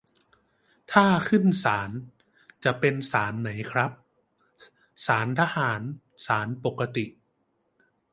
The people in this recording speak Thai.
ถ้าขึ้นศาล จะเป็นศาลไหนครับ ศาลทหาร ศาลปกติ